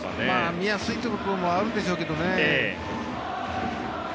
見やすいという部分もあるでしょうけどね。